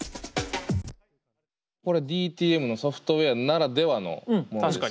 これＤＴＭのソフトウエアならではのものですよね。